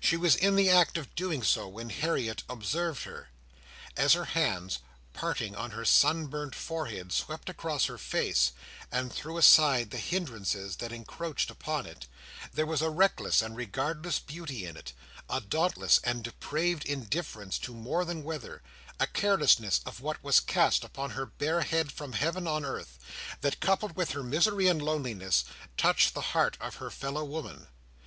She was in the act of doing so, when Harriet observed her. As her hands, parting on her sunburnt forehead, swept across her face, and threw aside the hindrances that encroached upon it, there was a reckless and regardless beauty in it: a dauntless and depraved indifference to more than weather: a carelessness of what was cast upon her bare head from Heaven or earth: that, coupled with her misery and loneliness, touched the heart of her fellow woman.